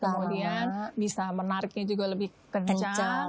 kemudian bisa menariknya juga lebih kencang